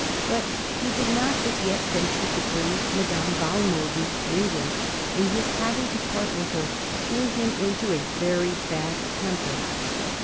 Bat he did not as yet venture to bring Madame Walmoden to England; and his having to part with her threw him into a very bad tem per.